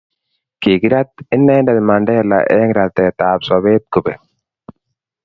kikirat inendet Mandela eng' ratetab sobet kobek